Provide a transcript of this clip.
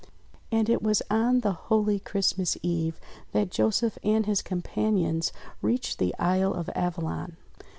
And it was on the holy Christmas Eve that Joseph and his companions reached the Isle of Avalon.